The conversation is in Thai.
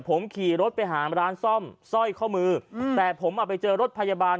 ผมขี่รถไปหาร้านซ่อมสร้อยข้อมือแต่ผมอ่ะไปเจอรถพยาบาล